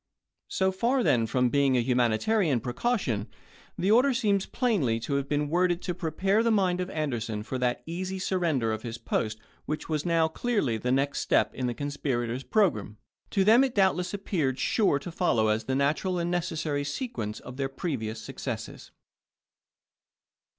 So far then from being a humanitarian precaution, the order seems plainly to have been worded to prepare the mind of Ander son for that easy surrender of his post which was now clearly the next step in the conspirators' pro gramme. To them it doubtless appeared sure to follow as the natural and necessary sequence of their previous successes.